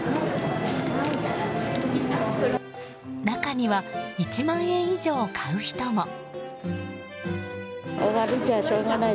中には１万円以上買う人も。